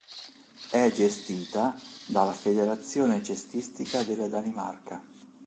È gestita dalla "Federazione cestistica della Danimarca".